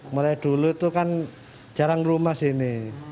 mulai dulu itu kan jarang rumah sini